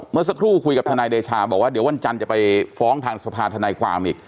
เมื่อสักครู่คุยกับทนายเดชาบอกว่าเดี๋ยววันจันทร์จะไปฟ้องทางสภาธนายความอีก